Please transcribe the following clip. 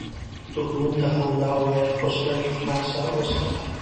دښمن ته خندا وایه، خو سترګې خلاصه وساته